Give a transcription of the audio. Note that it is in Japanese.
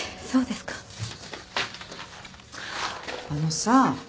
あのさ